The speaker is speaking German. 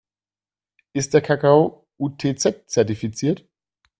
Ist der Kakao UTZ-zertifiziert?